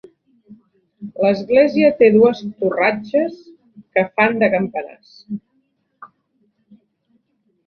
L'església té dues torratxes que fan de campanars.